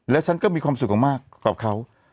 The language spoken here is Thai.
แล้วฉันก็มีความสุขมากกับเขา